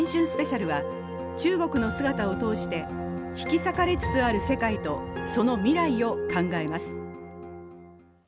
スペシャルは中国の姿を通して引き裂かれつつある世界とその未来を考えます。